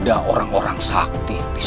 aku harus membantu dia